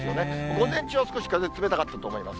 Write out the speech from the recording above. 午前中は少し風冷たかったと思います。